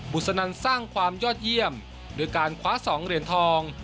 บุษนานสร้างความยอดเยี่ยมเนื่องการคว้าสองเหรียญทอง